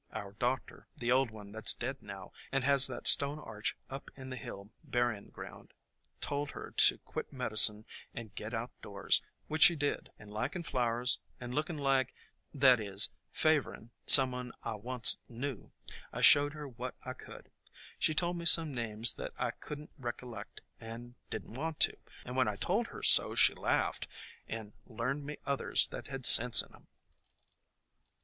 Our doc tor, the old one that 's dead now and has that stone arch up in the hill buryin' ground, told her to quit medicine and get outdoors, which she did ; and likin' flow ers and lookin' like — that is, favorin' some one I onct knew, I showed her what _ 1 8 THE COMING OF SPRING I could. She told me some names that I could n't recollect and did n't want to, and when I told her so she laughed, and learned me others that had sense in 'em.